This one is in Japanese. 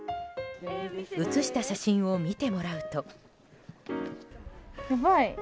写した写真を見てもらうと。